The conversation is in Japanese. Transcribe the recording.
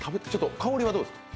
香りはどうですか？